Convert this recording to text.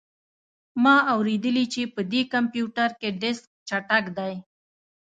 ما اوریدلي چې په دې کمپیوټر کې ډیسک چټک دی